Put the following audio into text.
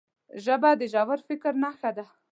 ژبه د ژور فکر نښه ده